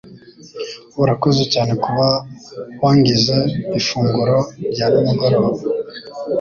Urakoze cyane kuba wangize ifunguro rya nimugoroba.